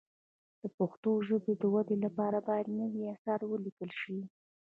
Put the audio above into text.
د پښتو ژبې د ودې لپاره باید نوي اثار ولیکل شي.